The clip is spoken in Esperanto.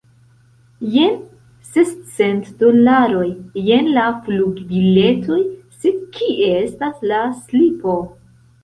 Jen sescent dolaroj, jen la flugbiletoj, sed kie estas la slipo?